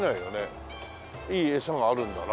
いいエサがあるんだな。